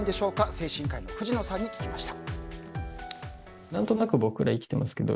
精神科医の藤野さんに聞きました。